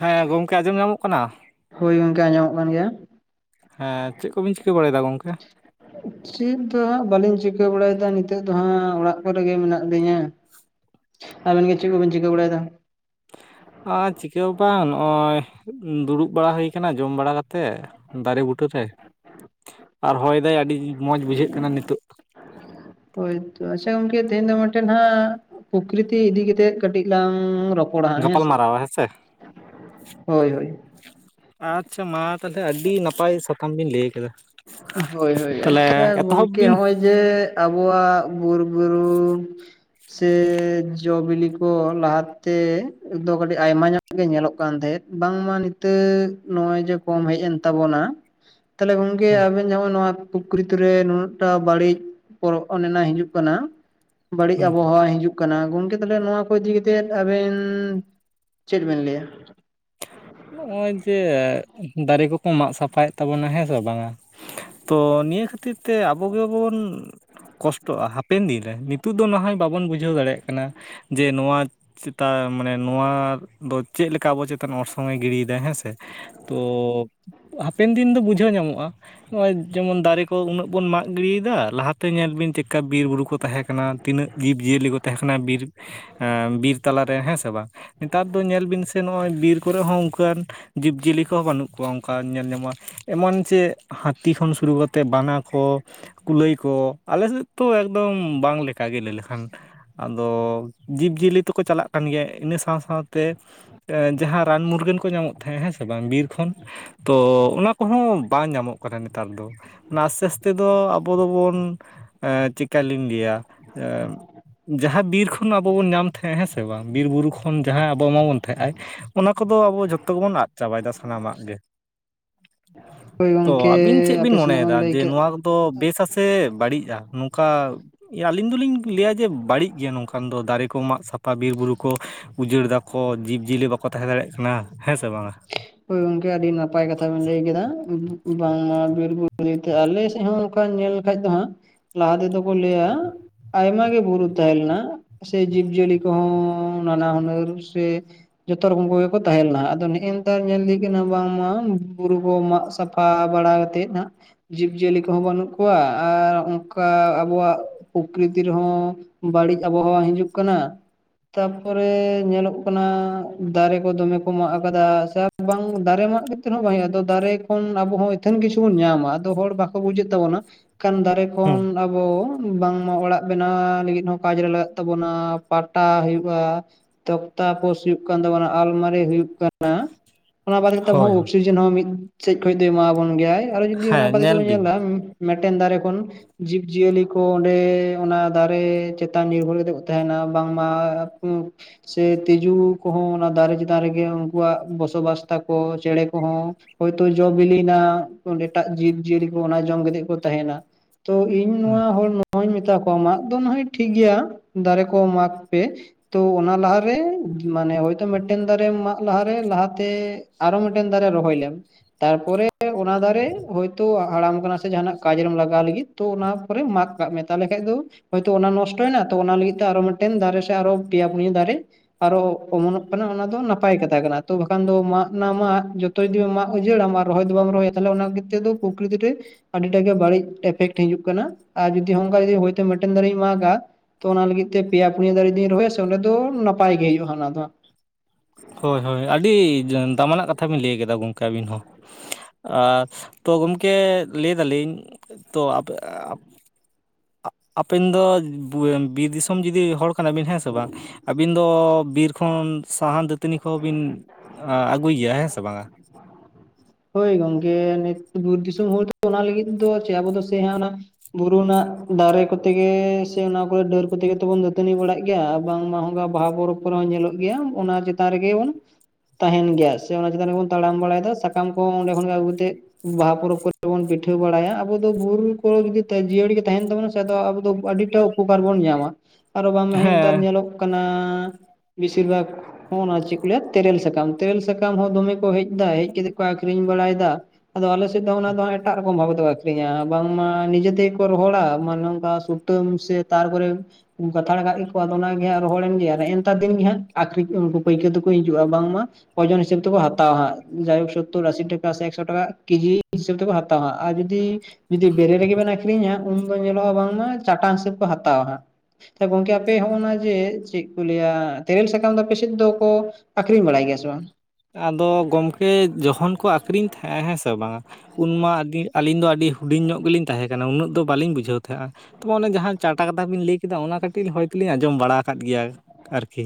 ᱦᱮᱸ ᱜᱚᱝᱠᱮ ᱟᱸᱡᱚᱢ ᱧᱟᱢᱚᱜ ᱠᱟᱱᱟ? ᱦᱳᱭ ᱜᱚᱝᱠᱮ ᱟᱸᱡᱚᱢᱚᱜ ᱠᱟᱱ ᱜᱮᱭᱟ᱾ ᱦᱮᱸ ᱪᱮᱜ ᱠᱚᱵᱤᱝ ᱪᱤᱠᱟᱹ ᱵᱟᱲᱟᱭᱮᱫᱟ ᱜᱚᱝᱠᱮ? [inaudible] ᱪᱤᱫ ᱫᱚ ᱦᱟᱸᱜ ᱵᱟᱹᱞᱤᱧ ᱪᱤᱠᱟᱹ ᱵᱟᱲᱟ ᱭᱮᱫᱟ ᱱᱤᱛᱚᱜ ᱫᱚ ᱦᱟᱸᱜ ᱚᱲᱟᱜ ᱠᱚᱨᱮ ᱜᱮ ᱢᱮᱱᱟᱜ ᱞᱤᱧᱟ᱾ ᱟᱵᱮᱱ ᱜᱮ ᱪᱮᱜ ᱠᱚ ᱵᱤᱝ ᱪᱤᱠᱟᱹ ᱵᱟᱲᱟ ᱭᱮᱫᱟ? ᱟ ᱪᱤᱠᱟᱹ ᱦᱚᱸ ᱵᱟᱝ ᱱᱚᱜ-ᱚᱭ ᱫᱩᱲᱩᱵ ᱵᱟᱲᱟ ᱦᱩᱭ ᱠᱟᱱᱟ ᱡᱚᱢ ᱵᱟᱲᱟ ᱠᱟᱛᱮᱜ, ᱫᱟᱨᱮ ᱵᱩᱴᱟᱹ ᱨᱮ ᱟᱨ ᱦᱚᱭ ᱮᱫᱟᱭ ᱟᱹᱰᱤ‌ᱻ ᱢᱚᱡᱽ ᱵᱩᱡᱷᱟᱹᱜ ᱠᱟᱱᱟ ᱱᱤᱛᱚᱜ ᱦᱳᱭᱛᱚ ᱟᱪᱪᱷᱟ ᱜᱚᱝᱠᱮ ᱛᱮᱦᱮᱧ ᱫᱚ ᱢᱤᱫᱴᱟᱹᱱ ᱦᱟᱸᱜ ᱯᱚᱠᱤᱨᱤᱛᱤ ᱤᱫᱤ ᱠᱮᱛᱮᱜ ᱠᱟᱹᱴᱤᱡ ᱞᱟᱝ ᱨᱚᱯᱼᱼ ᱯᱚᱲᱟ ‌ᱦᱟᱸᱜ ᱦᱮᱸ ᱜᱟᱯᱟᱞ ᱥᱮ, ᱢᱟᱨᱟᱣᱟ ᱦᱮᱸ ᱥᱮ ᱦᱳᱭ ᱦᱳᱭ᱾ ᱟᱪᱪᱷᱟ ᱢᱟ ᱛᱟᱞᱦᱮ ᱟᱹᱰᱤ ᱱᱟᱯᱟᱭ ᱥᱟᱛᱟᱢ ᱵᱤᱱ ᱞᱟᱹᱭ ᱟᱠᱟᱫᱟ᱾ ᱟᱸ ᱦᱳᱭ ᱦᱳᱭ ᱟᱪᱪᱷᱟ ᱜᱚᱝᱠᱮ ᱵᱤᱱ ᱦᱚᱸᱜ-ᱚᱸᱭᱼᱼ ᱡᱮ ᱟᱵᱚᱣᱟᱜ ᱵᱩᱨ ᱵᱩᱨᱼᱩᱼᱼ ᱥᱮ ᱡᱚ ᱵᱤᱞᱤ ᱠᱚ ᱞᱟᱦᱟ ᱛᱮ ᱫᱚ ᱠᱟᱹᱴᱤᱡ ᱟᱭᱢᱟ ᱧᱚᱜᱼᱼ ᱜᱮ ᱧᱮᱞᱚᱜ ᱠᱟᱱ ᱛᱮᱦᱮᱸᱫ ᱵᱟᱝ ᱢᱟ ᱱᱤᱛᱟᱹᱜ ᱱᱚᱸᱜ-ᱚᱭ ᱡᱮ ᱠᱚᱢ ᱦᱮᱡ ᱮᱱ ᱛᱟᱵᱚᱱᱟ, ᱛᱟᱦᱮᱞᱮ ᱜᱚᱝᱼ ᱜᱮ ᱦᱩᱸ ᱟᱵᱮᱱ ᱡᱮ ᱦᱚᱸᱭ ᱱᱚᱣᱟ ᱯᱩᱠᱤᱨᱤᱛᱳ ᱨᱮ ᱱᱩᱱᱟᱹᱜ ᱴᱟᱜ ᱵᱟᱹᱲᱤᱡ ᱯᱚᱨᱚᱜ ᱚᱱᱼ ᱚᱱᱟ ᱦᱤᱡᱩᱜ ᱠᱟᱱᱟ, ᱵᱟᱹᱲᱤᱡ ᱦᱩᱸ ᱟᱵᱚ ᱦᱟᱜ ᱦᱤᱡᱩᱜᱼᱼ ᱠᱟᱱᱟ ᱜᱚᱝᱠᱮ ᱛᱟᱦᱮᱞᱮ ᱱᱚᱣᱟ ᱠᱚ ᱤᱫᱤ ᱠᱟᱛᱮᱫ ᱟᱹᱵᱮᱱ ᱪᱮᱫ ᱵᱤᱱ ᱞᱟᱹᱭᱼᱟ? ᱱᱚᱜ-ᱚᱭ ᱡᱮ ᱫᱟᱨᱮ ᱠᱚᱠᱚ ᱢᱟᱜ ᱥᱟᱯᱷᱟᱭᱮᱫ ᱛᱟᱵᱚᱱᱟ ᱦᱮᱸ ᱥᱮ ᱵᱟᱝᱼᱟ᱾ ᱛᱚ ᱱᱤᱭᱟᱹ ᱠᱷᱟᱹᱛᱤᱨ ᱛᱮ ᱟᱵᱚ ᱜᱮᱵᱚᱱᱼᱼ ᱠᱚᱥᱴᱚᱜ-ᱟ ᱦᱟᱯᱮᱱ ᱫᱤᱱ ᱨᱮ, ᱱᱤᱛᱩᱜ ᱫᱚ ᱱᱟᱦᱟᱭ ᱵᱟᱵᱚᱱ ᱵᱩᱡᱷᱟᱹᱣ ᱫᱟᱲᱮᱭᱟᱜ ᱠᱟᱱᱟ, ᱡᱮ ᱱᱚᱣᱟ ᱪᱮᱛᱟ ᱢᱟᱱᱮ ᱱᱚᱣᱟ ᱫᱚ ᱪᱮᱫ ᱞᱮᱠᱟ ᱟᱵᱚ ᱪᱮᱛᱼᱼ ᱛᱟᱱ ᱚᱥᱚᱢᱚᱭ ᱜᱤᱲᱤᱭ ᱫᱟᱭ ᱦᱮᱸ ᱥᱮ ᱛᱚ ᱦᱟᱯᱮᱱ ᱫᱤᱱ ᱫᱚ ᱵᱩᱡᱷᱟᱹᱣ ᱧᱟᱢᱚᱜᱼᱟ᱾ ᱱᱚᱸᱜ-ᱚᱭ ᱡᱮᱢᱚᱱ ᱫᱟᱨᱮ ᱠᱚ ᱩᱱᱟᱹᱜ ᱵᱚᱱ ᱢᱟᱜ ᱜᱤᱰᱤᱭ ᱫᱟ ᱞᱟᱦᱟ ᱛᱮ ᱧᱮᱞ ᱵᱤᱱ ᱪᱮᱜ ᱠᱟ ᱵᱤᱨ ᱵᱩᱨᱩ ᱠᱚ ᱛᱟᱦᱮᱸ ᱠᱟᱱᱟ, ᱛᱤᱱᱟᱹᱜ ᱡᱤᱵᱼᱡᱤᱭᱟᱹᱞᱤ ᱠᱚ ᱛᱟᱦᱮᱸ ᱠᱟᱱᱟ ᱵᱤᱨ ᱮᱸ ᱵᱤᱨ ᱛᱟᱞᱟᱨᱮ ᱦᱮᱸ ᱥᱮ ᱵᱟᱝ ᱱᱮᱛᱟᱨ ᱫᱚ ᱧᱮᱞ ᱵᱤᱱ ᱥᱮ ᱱᱚᱸᱜᱼᱚᱭ ᱵᱤᱨ ᱠᱚᱨᱮ ᱦᱚᱸ ᱚᱝᱠᱟᱱ ᱡᱤᱵᱽ ᱡᱤᱭᱟᱹᱞᱤ ᱠᱚᱦᱚᱸ ᱵᱟᱹᱱᱩᱜ ᱠᱚᱣᱟ ᱚᱝᱠᱟᱱ ᱧᱮᱞ ᱧᱟᱢᱼᱟ, ᱮᱢᱟᱱ ᱪᱮᱫ ᱦᱟᱹᱛᱤ ᱠᱷᱚᱱ ᱥᱩᱨᱩ ᱠᱟᱛᱮᱫ ᱵᱟᱱᱟ ᱠᱚ ᱠᱩᱞᱟᱹᱭ ᱠᱚ ᱟᱞᱮ ᱥᱮᱫ ᱛᱚ ᱮᱠᱫᱚᱢ ᱵᱟᱝ ᱞᱮᱠᱟ ᱜᱮ ᱞᱟᱹᱭ ᱞᱮᱠᱷᱟᱱ᱾ ᱟᱫᱚ ᱡᱤᱵᱽ ᱡᱤᱭᱟᱹᱞᱤ ᱛᱚᱠᱚ ᱪᱟᱞᱟᱜ ᱠᱟᱱ ᱜᱮᱭᱟ ᱤᱱᱟᱹ ᱥᱟᱶ-ᱥᱟᱶᱛᱮ ᱮᱸ ᱡᱟᱦᱟᱸ ᱨᱟᱱ ᱢᱩᱨᱜᱟᱹᱱ ᱠᱚ ᱧᱟᱢᱚᱜ ᱛᱟᱦᱮᱸᱫ ᱦᱮᱸ ᱥᱮ ᱵᱟᱝ ᱵᱤᱨ ᱠᱷᱚᱱ, ᱛᱚ ᱚᱱᱟ ᱠᱚᱦᱚᱸ ᱵᱟᱝ ᱧᱟᱢᱚᱜ ᱠᱟᱱᱟ ᱱᱮᱛᱟᱨ ᱫᱚ᱾ ᱚᱱᱟ ᱟᱥᱛᱮ ᱟᱥᱛᱮ ᱫᱚ ᱟᱵᱚ ᱫᱚᱵᱚᱱ ᱮᱸ ᱪᱤᱠᱟᱹᱞᱤᱧ ᱞᱮᱭᱟ ᱮᱫ ᱡᱟᱦᱟᱸ ᱵᱤᱨ ᱠᱷᱚᱱ ᱟᱵᱚ ᱵᱚᱱ ᱧᱟᱢ ᱛᱟᱦᱮᱸᱜ ᱦᱮᱸᱥᱮ ᱵᱟᱝ ᱵᱤᱨ ᱵᱩᱨᱩ ᱠᱷᱚᱱ ᱡᱟᱦᱟᱸ ᱟᱵᱚ ᱮᱢᱟ ᱵᱚᱱ ᱛᱟᱦᱮᱸᱡ ᱟᱭ ᱚᱱᱟ ᱠᱚᱫᱚ ᱟᱵᱚ ᱡᱷᱚᱛᱚ ᱜᱮᱵᱚᱱ ᱟᱫ ᱪᱟᱵᱟᱭᱫᱟ ᱥᱟᱱᱟᱢᱟᱜ ᱜᱮ᱾ ᱦᱳᱭ ᱛᱚ ᱜᱚᱝᱠᱮ ᱟᱵᱤᱱ ᱪᱮᱫ ᱵᱤᱱ ᱟᱯᱮ ᱥᱮᱱᱟᱜ ᱢᱟᱢ ᱢᱚᱱᱮᱭᱫᱟ ᱞᱟᱹᱭ ᱡᱮ ᱠᱮᱫ ᱱᱚᱣᱟ ᱫᱚ ᱵᱮᱥ ᱟᱥᱮ ᱵᱟᱹᱲᱤᱡᱼᱟ ᱱᱚᱝᱠᱟ ᱟᱹᱞᱤᱧ ᱫᱚᱞᱤᱧ ᱞᱟᱹᱭᱟ ᱡᱮ ᱵᱟᱹᱲᱤᱡ ᱜᱮᱭᱟ ᱱᱚᱝᱠᱟᱱ ᱫᱚ ᱫᱟᱨᱮ ᱠᱚ ᱢᱟᱜ ᱥᱟᱯᱷᱟ ᱵᱤᱨᱼᱵᱩᱨᱩ ᱠᱚ ᱩᱡᱟᱹᱲ ᱫᱟᱠᱚ ᱡᱤᱵᱽᱼᱡᱤᱭᱟᱹᱞᱤ ᱵᱟᱠᱚ ᱛᱟᱦᱮᱸ ᱫᱟᱲᱮᱭᱟᱜ ᱠᱟᱱᱟ ᱦᱮᱸᱥᱮ ᱵᱟᱝᱟ? ᱦᱳᱭ ᱜᱚᱝᱠᱮ ᱟᱹᱰᱤ ᱱᱟᱯᱟᱭ ᱠᱟᱛᱷᱟ ᱵᱮᱱ ᱞᱟᱹᱭ ᱠᱮᱫᱟ ᱵᱟᱝᱢᱟ ᱵᱤᱨᱼᱵᱩᱨᱩ ᱛᱚ ᱟᱞᱮ ᱥᱮᱫ ᱦᱚᱸ ᱚᱝᱠᱟ ᱧᱮᱞ ᱞᱮᱠᱷᱟᱡ ᱫᱚ ᱦᱟᱸᱜ ᱞᱟᱦᱟ ᱛᱮᱫᱚ ᱠᱚ ᱞᱟᱹᱭᱟ ᱟᱭᱢᱟ ᱜᱮ ᱵᱩᱨᱩ ᱛᱟᱦᱮᱸ ᱞᱮᱱᱟ ᱥᱮ ᱡᱤᱵᱽ ᱡᱤᱭᱟᱹᱞᱤ ᱠᱚᱦᱚᱸ ᱱᱟᱱᱟ ᱦᱩᱱᱟᱹᱨ ᱥᱮ ᱡᱷᱚᱛᱚ ᱨᱚᱠᱚᱢ ᱠᱚᱜᱮ ᱠᱚ ᱛᱟᱦᱮᱸ ᱞᱮᱱᱟ ᱟᱫᱚ ᱱᱮ ᱱᱮᱛᱟᱨ ᱧᱮᱞ ᱤᱫᱤᱜ ᱠᱟᱱᱟ ᱵᱟᱝᱢᱟ ᱵᱩᱨᱩ ᱠᱚ ᱢᱟᱜ ᱥᱟᱯᱷᱟ ᱵᱟᱲᱟ ᱠᱟᱛᱮᱜ ᱦᱟᱸᱜ ᱡᱤᱵᱽᱡᱤᱭᱟᱹᱞᱤ ᱠᱚᱦᱚᱸ ᱵᱟᱹᱱᱩᱜ ᱠᱚᱣᱟ ᱟᱨ ᱚᱱᱠᱟ ᱟᱵᱚᱣᱟᱜ ᱯᱚᱠᱨᱤᱛᱤ ᱨᱮᱦᱚᱸ ᱵᱟᱹᱲᱤᱡ ᱟᱵᱚᱦᱟᱣᱟ ᱦᱤᱡᱩᱜ ᱠᱟᱱᱟ ᱛᱟᱯᱚᱨᱮ ᱧᱮᱞᱚᱜ ᱠᱟᱱᱟ ᱫᱟᱨᱮ ᱠᱚ ᱫᱚᱢᱮ ᱠᱚ ᱢᱟᱜ ᱠᱟᱫᱟ ᱥᱮ ᱵᱟᱝ ᱫᱟᱨᱮ ᱢᱟᱜ ᱠᱟᱛᱮ ᱨᱮᱦᱚᱸ ᱵᱟᱝ ᱦᱩᱭᱩᱜᱼᱟ ᱫᱟᱨᱮ ᱠᱷᱚᱱ ᱟᱵᱚ ᱦᱚᱸ ᱟᱹᱛᱷᱟᱹᱱ ᱠᱤᱪᱷᱩ ᱵᱚᱱ ᱧᱟᱢᱟ, ᱟᱫᱚ ᱦᱚᱲ ᱵᱟ ᱠᱚ ᱵᱩᱡᱟᱹᱜ ᱛᱟᱵᱚᱱᱟ ᱠᱟᱱ ᱫᱟᱨᱮ ᱦᱩᱸ ᱠᱷᱚᱱ ᱟᱵᱚ ᱵᱟᱝᱢᱟ ᱚᱲᱟᱜ ᱵᱮᱱᱟᱣ ᱞᱟᱹᱜᱤᱫ ᱦᱚᱸ ᱠᱟᱡ ᱨᱮ ᱞᱟᱜᱟᱜ ᱛᱟᱵᱚᱱᱟ ᱯᱟᱴᱟ ᱦᱩᱭᱩᱜᱼᱟ, ᱛᱚᱠᱛᱟᱯᱚᱥ ᱦᱩᱭᱩᱜ ᱠᱟᱱ ᱛᱟᱵᱚᱱᱟ ᱟᱞᱢᱟᱨᱤ ᱦᱩᱭᱩᱜ ᱠᱟ ᱱᱟ ᱚᱱᱟ ᱵᱟᱫ ᱠᱟᱛᱮ ᱦᱳᱭ ᱟᱵᱚ ᱦᱳᱭ ᱚᱠᱥᱤᱡᱮᱱ ᱦᱚᱸ ᱢᱤᱫ ᱥᱮᱫ ᱠᱷᱚᱱ ᱫᱚᱭ ᱮᱢᱟᱵᱚᱱ ᱜᱮᱭᱟᱭ᱾ ᱟᱨᱚ ᱡᱩᱫᱤ ᱚᱱᱟ ᱦᱮᱸ ᱵᱟᱨ ᱧᱮᱞ ᱛᱮᱵᱚᱱ ᱵᱤᱱ ᱧᱮᱞᱟ ᱢᱤᱫᱴᱮᱱ ᱫᱟᱨᱮ ᱠᱷᱚᱱ ᱡᱤᱵᱽᱼᱡᱤᱭᱟᱹᱞᱤ ᱠᱚ ᱚᱸᱰᱮ ᱚᱱᱟ ᱫᱟᱨᱮ ᱪᱮᱛᱟᱱ ᱱᱤᱨᱵᱷᱚᱨ ᱠᱟᱛᱮ ᱠᱚ ᱛᱟᱦᱮᱸᱱᱟ ᱵᱟᱝᱢᱟ ᱥᱮ ᱛᱤᱡᱩ ᱠᱚᱦᱚᱸ ᱚᱱᱟ ᱫᱟᱨᱮ ᱪᱮᱛᱟᱱ ᱨᱮᱜᱮ ᱩᱱᱠᱩᱣᱟᱜ ᱵᱚᱥᱚᱵᱟᱥ ᱛᱟᱠᱚ ᱪᱮᱬᱮ ᱠᱚᱦᱚᱸ ᱦᱳᱭᱛᱳ ᱡᱚ ᱵᱤᱞᱤᱭᱱᱟ ᱚᱸᱰᱮ ᱮᱴᱟᱜ ᱡᱤᱵᱽᱡᱤᱭᱟᱹᱞᱤ ᱠᱚ ᱚᱱᱟ ᱡᱚᱢ ᱠᱟᱛᱮᱜ ᱠᱚ ᱛᱟᱦᱮᱸᱱᱟ᱾ ᱛᱚ ᱤᱧ ᱦᱩᱸ ᱱᱚᱶᱟ ᱦᱚᱲ ᱱᱚᱣᱟᱧ ᱢᱮᱛᱟ ᱠᱚᱣᱟ ᱢᱟᱜᱽ ᱫᱚ ᱱᱟᱦᱚᱭ ᱴᱷᱤᱠᱜᱮᱭᱟ ᱫᱟᱨᱮ ᱠᱚ ᱢᱟᱜ ᱯᱮ ᱛᱚ ᱚᱱᱟ ᱞᱟᱦᱟᱨᱮ ᱢᱟᱱᱮ ᱦᱚᱭᱛᱚ ᱢᱤᱫᱴᱮᱱ ᱫᱟᱨᱮ ᱢᱟᱜ ᱞᱟᱦᱟᱨᱮ ᱞᱟᱦᱟᱛᱮ ᱟᱨᱚ ᱢᱤᱫᱴᱮᱱ ᱫᱟᱨᱮ ᱨᱚᱦᱚᱭ ᱞᱮᱢ᱾ ᱛᱟᱨᱯᱚᱨᱮ ᱚᱱᱟ ᱫᱟᱨᱮ ᱦᱳᱭᱛᱳ ᱦᱟᱲᱟᱢ ᱠᱟᱱᱟ ᱥᱮ ᱡᱟᱦᱟᱸᱱᱟᱜ ᱠᱟᱡ ᱨᱮᱢ ᱞᱟᱜᱟᱣ ᱞᱟᱹᱜᱤᱫ ᱛᱚ ᱚᱱᱟ ᱯᱚᱨᱮ ᱢᱟᱜ ᱠᱟᱜ ᱢᱮ ᱛᱟᱦᱚᱞᱮ ᱠᱷᱟᱡ ᱫᱚ ᱦᱚᱭᱛᱳ ᱚᱱᱟ ᱱᱚᱥᱴᱚᱭᱱᱟ ᱛᱚ ᱚᱱᱟ ᱞᱟᱹᱜᱤᱫ ᱛᱮ ᱟᱨᱚ ᱢᱤᱫᱴᱮᱱ ᱫᱟᱨᱮ ᱥᱮ ᱟᱨᱚ ᱯᱮᱭᱟ ᱯᱩᱱᱭᱟᱹ ᱫᱟᱨᱮ ᱟᱨᱚ ᱚᱢᱚᱱᱚᱜ ᱠᱟᱱᱟ ᱚᱱᱟ ᱫᱚ ᱱᱟ ᱯᱟᱭ ᱠᱟᱛᱷᱟ ᱠᱟᱱᱟ ᱛᱚ ᱵᱟᱠᱷᱟᱱ ᱫᱚ ᱢᱟᱜ ᱱᱟ ᱢᱟᱜ ᱡᱚᱛᱚ ᱡᱩᱫᱤᱢ ᱢᱟᱜ ᱩᱡᱟᱹᱲᱟᱢ ᱨᱚᱦᱚᱭ ᱫᱚ ᱵᱟᱢ ᱨᱚᱦᱚᱭᱟ ᱛᱚ ᱚᱱᱟ ᱠᱮᱛᱛᱮ ᱫᱚ ᱯᱚᱠᱨᱤᱛᱤ ᱨᱮ ᱟᱹᱰᱤᱴᱟ ᱜᱮ ᱵᱟᱹᱲᱤᱡ ᱤᱯᱷᱮᱠᱴ ᱦᱤᱡᱩᱜ ᱠᱟᱱᱟ ᱟᱨ ᱡᱩᱫᱤ ᱦᱚᱝᱠᱟ ᱡᱩᱫᱤ ᱦᱚᱭᱛᱳ ᱢᱤᱫᱴᱮᱱ ᱫᱟᱨᱮᱧ ᱢᱟᱜᱟ ᱛᱚ ᱚᱱᱟ ᱞᱟᱹᱜᱤᱫ ᱛᱮ ᱯᱮᱭᱟ ᱯᱩᱱᱭᱟᱹ ᱫᱟᱨᱮ ᱡᱩᱫᱤᱧ ᱨᱚᱦᱚᱭᱟ ᱥᱮ ᱚᱸᱵᱮ ᱫᱚ ᱱᱟᱯᱟᱭ ᱜᱮ ᱦᱩᱭᱩᱜᱼᱟ ᱚᱱᱟ ᱫᱚ ᱦᱟᱸᱜ᱾ ᱦᱳᱭ ᱦᱳᱭ ᱟᱹᱰᱤ ᱫᱟᱢᱟᱱᱟᱜ ᱠᱟᱛᱷᱟ ᱵᱤᱱ ᱞᱟᱹᱭ ᱠᱮᱫᱟ ᱜᱚᱝᱠᱮ ᱟᱹᱵᱤᱱ ᱦᱚᱸ᱾ ᱟᱨ ᱛᱚ ᱜᱚᱝᱠᱮ ᱞᱟᱹᱭ ᱫᱟᱞᱤᱧ ᱛᱳ ᱟᱯᱮᱱ ᱫᱚ ᱵᱤᱨ ᱫᱤᱥᱚᱢ ᱡᱩᱫᱤ ᱦᱚᱲ ᱠᱟᱱᱟᱵᱤᱱ ᱦᱮᱸ ᱥᱮ ᱵᱟᱝ ᱟᱹᱵᱤᱱ ᱫᱚ ᱵᱤᱨ ᱠᱷᱚᱱ ᱥᱟᱦᱟᱱ ᱫᱟᱹᱛᱟᱹᱱᱤ ᱠᱚᱦᱚᱸ ᱵᱤᱱ ᱟᱹᱜᱩᱭ ᱜᱮᱭᱟ ᱦᱮᱸ ᱥᱮ ᱵᱟᱝᱟ? [inaudible] ᱦᱳᱭ ᱜᱚᱝᱠᱮ ᱱᱤᱛ ᱵᱤᱨ ᱫᱤᱥᱚᱢ ᱦᱚᱲ ᱫᱚ ᱚᱱᱟ ᱞᱟᱹᱜᱤᱫ ᱫᱚ ᱟᱵᱚ ᱫᱚ ᱥᱮᱭ ᱦᱟᱸᱜ ᱵᱩᱨᱩ ᱱᱟᱜ ᱫᱟᱨᱮ ᱠᱚᱛᱮᱜ ᱜᱮ ᱥᱮ ᱚᱱᱟ ᱠᱚᱨᱮ ᱰᱟᱹᱨ ᱠᱚᱛᱮᱜ ᱵᱚᱱ ᱫᱟᱹᱛᱟᱹᱱᱤ ᱵᱟᱲᱟᱜ ᱜᱮᱭᱟ᱾ ᱵᱟᱝᱢᱟ [unintelligible] ᱵᱟᱦᱟ ᱯᱚᱨᱚᱵᱽ ᱠᱚᱨᱮ ᱦᱚᱸ ᱧᱮᱞᱚᱜ ᱜᱮᱭᱟ ᱚᱱᱟ ᱪᱮᱛᱟᱱ ᱨᱮᱜᱮ ᱵᱚᱱ ᱛᱟᱦᱮᱱ ᱜᱮᱭᱟ᱾ ᱚᱱᱟ ᱪᱮᱛᱟᱱ ᱨᱮᱵᱚᱱ ᱛᱟᱲᱟᱢ ᱵᱟᱲᱟᱭᱮᱫᱟ ᱥᱟᱠᱟᱢ ᱠᱚ ᱚᱸᱰᱮ ᱠᱷᱚᱱ ᱜᱮ ᱟᱹᱜᱩ ᱠᱟᱛᱮᱫ ᱵᱟᱦᱟ ᱯᱚᱨᱚᱵᱽ ᱠᱚᱨᱮ ᱵᱚᱱ ᱯᱤᱴᱷᱟᱹ ᱵᱟᱲᱟᱭᱟ ᱟᱵᱚ ᱫᱚ ᱵᱩᱨᱩ ᱠᱚᱨᱮ ᱡᱩᱫᱤ ᱡᱤᱭᱟᱹᱲ ᱜᱮ ᱛᱟᱦᱮᱱ ᱛᱟᱵᱚᱱᱟ ᱥᱮ ᱟᱵᱚ ᱫᱚ ᱟᱹᱰᱤᱴᱟᱜ ᱩᱯᱠᱟᱨ ᱵᱚᱱ ᱧᱟᱢᱟ᱾ ᱟᱨᱚ ᱵᱟᱝᱢᱟ ᱦᱮᱸ ᱱᱮᱛᱟᱨ ᱧᱮᱞᱚᱜ ᱠᱟᱱᱟ, ᱵᱮᱥᱤᱨ ᱵᱷᱟᱜᱽ ᱪᱮᱫ ᱠᱚ ᱞᱟᱹᱭᱟ ᱛᱮᱨᱮᱞ ᱥᱟᱠᱟᱢ ᱛᱮᱨᱮᱞ ᱥᱟᱠᱟᱢ ᱦᱚᱸ ᱫᱚᱢᱮ ᱠᱚ ᱦᱮᱡ ᱫᱟ ᱦᱮᱡ ᱠᱟᱛᱮ ᱠᱚ ᱟᱠᱷᱨᱤᱧ ᱵᱟᱲᱟᱭᱮᱫᱟ᱾ ᱟᱫᱚ ᱟᱞᱮ ᱥᱮᱫ ᱫᱚ ᱚᱱᱟ ᱫᱚ ᱮᱴᱟᱜ ᱨᱚᱠᱚᱢ ᱵᱷᱟᱵᱮ ᱛᱮᱠᱚ ᱟᱠᱷᱨᱤᱧᱟ ᱵᱟᱝᱢᱟ ᱱᱤᱡᱮ ᱛᱮᱜᱮ ᱠᱚ ᱨᱚᱦᱚᱲᱟ ᱢᱟᱱᱮ ᱱᱚᱝᱠᱟ ᱥᱩᱛᱟᱹᱢ ᱥᱮ ᱛᱟᱨᱯᱚᱨᱮ ᱠᱟᱛᱷᱟᱲ ᱠᱟᱜ ᱜᱮᱠᱚ ᱟᱫᱚ ᱚᱱᱟᱜᱮ ᱦᱟᱸᱜ ᱨᱚᱦᱚᱲᱮᱱ ᱜᱮ ᱱᱮᱜᱮ-ᱱᱮᱛᱟᱨ ᱫᱤᱱ ᱜᱮ ᱦᱟᱸᱜ ᱟᱠᱷᱨᱤ ᱩᱱᱠᱩ ᱯᱟᱹᱭᱠᱟᱹᱨ ᱛᱮᱠᱚ ᱦᱤᱡᱩᱜ-ᱟ ᱵᱟᱝᱢᱟ ᱳᱡᱚᱱ ᱦᱤᱥᱟᱹᱵ ᱛᱮᱠᱚ ᱦᱟᱛᱟᱣᱟ ᱦᱟᱸᱜ ᱡᱟᱭᱦᱳᱠ ᱥᱚᱛᱛᱳᱨ ᱟᱥᱤ ᱴᱟᱠᱟ ᱥᱮ ᱮᱠᱥᱚ ᱴᱟᱠᱟ ᱠᱮᱡᱤ ᱦᱤᱥᱟᱹᱵ ᱛᱮᱠᱚ ᱦᱟᱛᱟᱣᱟ ᱦᱟᱸᱜ ᱟᱨ ᱡᱩᱫᱤ ᱡᱩᱫᱤ ᱵᱮᱨᱮᱞ ᱨᱮᱜᱮᱵᱮᱱ ᱟᱠᱷᱨᱤᱧᱟ ᱩᱱᱫᱚ ᱧᱮᱞᱚᱜᱼᱟ ᱵᱟᱝᱢᱟ ᱪᱟᱴᱟᱝ ᱦᱤᱥᱟᱹᱵ ᱠᱚ ᱦᱟᱛᱟᱣᱟ ᱦᱟᱸᱜ ᱜᱚᱝᱠᱮ ᱟᱯᱮ ᱦᱚᱸᱜ ᱚᱱᱟ ᱡᱮ ᱪᱮᱫ ᱠᱚ ᱞᱟᱹᱭᱟ ᱛᱮᱨᱮᱞ ᱥᱟᱠᱟᱢ ᱫᱚ ᱟᱯᱮᱥᱮᱫ ᱫᱚᱠᱚ ᱟᱠᱷᱨᱤᱧ ᱵᱟᱲᱟᱭ ᱜᱮᱭᱟ ᱥᱮ ᱵᱟᱝ? ᱟᱫᱚ ᱜᱚᱢᱠᱮ ᱡᱚᱠᱷᱚᱱ ᱠᱚ ᱟᱠᱷᱨᱤᱧ ᱦᱮᱸ ᱦᱮᱸ ᱥᱮ ᱵᱟᱝ-ᱟ ᱩᱱ ᱢᱟ ᱟᱞᱤᱧ ᱫᱚ ᱟᱹᱰᱤ ᱰᱩᱰᱤᱧ ᱧᱚᱜ ᱜᱮᱞᱤᱧ ᱛᱟᱦᱮᱸ ᱠᱟᱱᱟ ᱩᱱᱟᱹᱜ ᱫᱚ ᱵᱟᱞᱤᱧ ᱵᱩᱡᱷᱟᱹᱣ ᱛᱟᱦᱮᱜ-ᱟ᱾ ᱛᱚ ᱚᱱᱮ ᱡᱟᱦᱟᱸ ᱪᱟᱴᱟ ᱠᱟᱛᱷᱟ ᱵᱤᱱ ᱞᱟᱹᱭ ᱠᱮᱫᱟ ᱚᱱᱟ ᱠᱟᱹᱴᱤᱡ ᱦᱚᱭᱛᱚ ᱞᱤᱧ ᱟᱸᱡᱚᱢ ᱵᱟᱲᱟ ᱟᱠᱟᱫ ᱜᱮᱭᱟ᱾ ᱟᱨᱠᱤ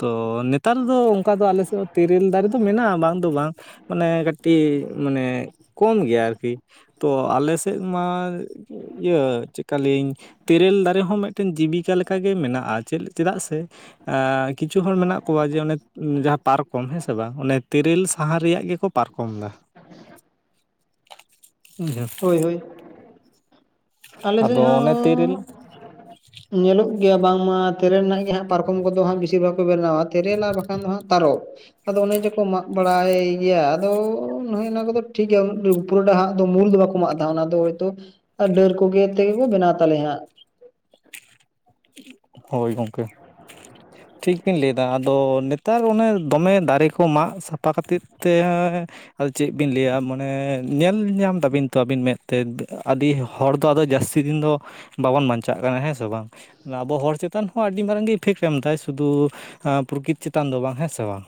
ᱛᱚ ᱱᱮᱛᱟᱨ ᱫᱚ ᱚᱱᱠᱟ ᱫᱚ ᱟᱞᱮ ᱥᱮᱫ ᱛᱮᱨᱮᱞ ᱫᱟᱨᱮ ᱫᱚ ᱢᱮᱱᱟᱜᱼᱟ ᱵᱟᱝ ᱫᱚ ᱵᱟᱝ ᱢᱟᱱᱮ ᱠᱟᱹᱴᱤᱡ ᱢᱟᱱᱮ ᱠᱚᱢ ᱜᱮᱭᱟ ᱟᱨᱠᱤ᱾ ᱛᱚ ᱟᱞᱮ ᱥᱮᱫ ᱢᱟ ᱤᱭᱟᱹ ᱪᱮᱫᱠᱟ ᱞᱟ. ᱭᱤᱧ ᱛᱮᱨᱮᱞ ᱫᱟᱨᱮ ᱦᱚᱸ ᱢᱤᱫᱴᱮᱱ ᱡᱤᱵᱤᱠᱟ ᱞᱮᱠᱟᱜᱮ ᱢᱮᱱᱟᱜᱼᱟ ᱪᱮᱫᱟᱜ ᱥᱮ ᱠᱤᱪᱷᱩ ᱦᱚᱲ ᱢᱮᱱᱟᱜ ᱠᱚᱣᱟ ᱡᱮ ᱚᱱᱮ ᱡᱟᱦᱟᱸ ᱯᱟᱨᱠ ᱠᱚᱢ ᱦᱮᱸ ᱥᱮ ᱵᱟᱝ ᱚᱱᱮ ᱛᱮᱨᱮᱞ ᱥᱟᱦᱟ ᱨᱮᱭᱟᱜ ᱜᱮᱠᱚ ᱯᱟᱨᱠᱚᱢ ᱫᱟ᱾ [unintelligible] ᱦᱳᱭ ᱦᱳᱭ ᱟᱞᱮ ᱥᱮᱫ ᱟᱫᱚ ᱚᱱᱮ ᱛᱮᱨᱮᱞ ᱦᱚᱸ ᱧᱮᱞᱚᱜ ᱜᱮᱭᱟ ᱵᱟᱝᱢᱟ ᱛᱮᱨᱮᱞ ᱨᱮᱱᱟᱜ ᱜᱮ ᱦᱟᱸᱜ ᱯᱟᱨᱠᱚᱢ ᱠᱚᱫᱚ ᱦᱟᱸᱜ ᱵᱤᱥᱤᱨ ᱵᱷᱟᱜᱽ ᱠᱚ ᱵᱮᱱᱟᱣᱟ᱾ ᱛᱮᱨᱮᱞ ᱟᱨ ᱵᱟᱠᱷᱟᱱ ᱫᱚ ᱦᱟᱸᱜ ᱛᱟᱨᱚᱵᱯ᱾ ᱟᱫᱚ ᱚᱱᱮ ᱡᱮᱠᱚ ᱢᱟᱜ ᱵᱟᱲᱟᱭ ᱜᱮᱭᱟ ᱟᱫᱚ ᱚᱱᱮ ᱚᱱᱟ ᱠᱚᱫᱚ ᱴᱷᱤᱠ ᱜᱮᱭᱟ ᱯᱩᱨᱟᱹᱴᱟ ᱦᱟᱸᱜ ᱫᱚ ᱢᱩᱞ ᱫᱚ ᱵᱟᱠᱚ ᱢᱟᱜᱫᱟ ᱚᱱᱟ ᱫᱚ ᱦᱚᱭᱛᱚ ᱰᱟᱹᱨ ᱠᱚᱜᱮ ᱛᱮᱜᱮ ᱠᱚ ᱵᱮᱱᱟᱣ ᱛᱟᱞᱮᱭᱟ ᱦᱟᱸᱜ᱾ ᱦᱳᱭ ᱜᱚᱢᱠᱮ [inaudible] ᱴᱷᱤᱠ ᱵᱮᱱ ᱞᱟᱹᱭ ᱮᱫᱟ ᱟᱫᱚ ᱱᱮᱛᱟᱨ ᱚᱱᱮ ᱫᱚᱢᱮ ᱫᱟᱨᱮ ᱠᱚ ᱢᱟᱜ ᱥᱟᱯᱷᱟ ᱠᱷᱟᱹᱛᱤᱨ ᱛᱮ ᱟᱫᱚ ᱪᱮᱫ ᱵᱤᱱ ᱞᱟᱹᱭᱟ ᱢᱟᱱᱮ ᱧᱮᱞ ᱧᱟᱢ ᱫᱟᱵᱤᱱ ᱛᱚ ᱟᱹᱵᱤᱱ ᱢᱮᱫᱛᱮ ᱟᱹᱫᱤ ᱦᱚᱲ ᱫᱚ ᱟᱫᱚ ᱡᱟᱹᱥᱛᱤ ᱫᱤᱱ ᱫᱚ ᱵᱟᱵᱚᱱ ᱵᱟᱧᱪᱟᱜ ᱠᱟᱱᱟ ᱦᱮᱸ ᱥᱮ ᱵᱟᱝ? ᱟᱵᱚ ᱦᱚᱲ ᱪᱮᱛᱟᱱ ᱦᱚᱸ ᱟᱹᱰᱤ ᱢᱟᱨᱟᱝ ᱜᱮ ᱤᱯᱷᱮᱠᱴ ᱮᱢᱫᱟᱭ ᱥᱩᱫᱩ ᱯᱨᱚᱠᱤᱛ ᱪᱮᱛᱟᱱ ᱫᱚ ᱵᱟᱝ ᱦᱮᱸ ᱥᱮ ᱵᱟᱝ?